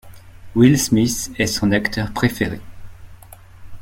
Will Smith est son acteur préféré.